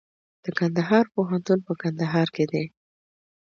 د کندهار پوهنتون په کندهار کې دی